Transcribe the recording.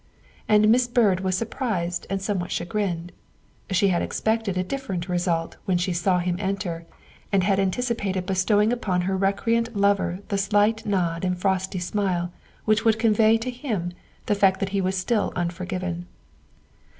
And Miss Byrd was surprised and somewhat chagrined ; she had expected a different result when she saw him enter, and had anticipated bestowing upon her recreant lover the slight nod and frosty smile which would convey to him the fact that he was still unforgiven.